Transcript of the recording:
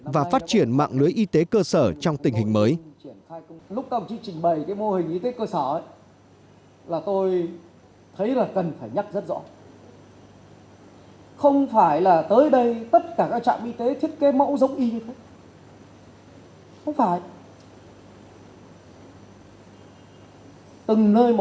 và phát triển mạng lưới y tế cơ sở trong tình hình mới